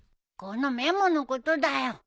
このメモのことだよ。